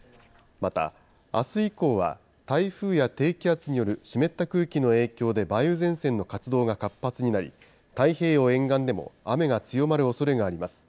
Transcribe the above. また、あす以降は、台風や低気圧による湿った空気の影響で梅雨前線の活動が活発になり、太平洋沿岸でも雨が強まるおそれがあります。